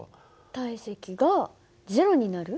体積が０になる？